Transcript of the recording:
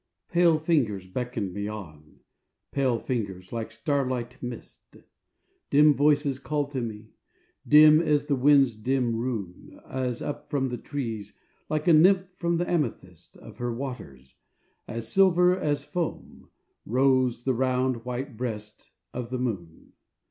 Pale fingers beckoned me on, pale fingers, like starlit mist; Dim voices called to me, dim as the wind's dim rune, As up from the trees, like a Nymph from the amethyst Of her waters, as silver as foam, rose the round, white breast of the moon.